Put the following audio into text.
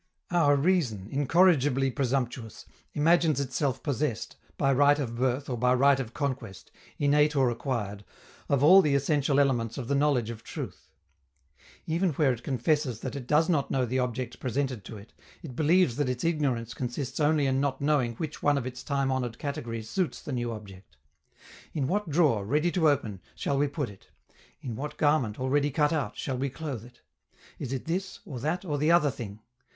Our reason, incorrigibly presumptuous, imagines itself possessed, by right of birth or by right of conquest, innate or acquired, of all the essential elements of the knowledge of truth. Even where it confesses that it does not know the object presented to it, it believes that its ignorance consists only in not knowing which one of its time honored categories suits the new object. In what drawer, ready to open, shall we put it? In what garment, already cut out, shall we clothe it? Is it this, or that, or the other thing?